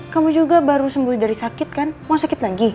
kamu juga baru sembuh dari sakit kan mau sakit lagi